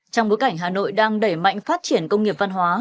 trong bối cảnh hà nội đang đẩy mạnh phát triển công nghiệp văn hóa